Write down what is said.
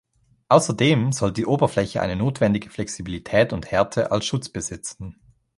Außerdem soll die Oberfläche eine notwendige Flexibilität und Härte als Schutz besitzen.